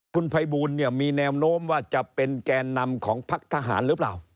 คุณภัยบูลเนี่ยมีแนวโน้มว่าจะเป็นแกนนำของพักทหารหรือเปล่า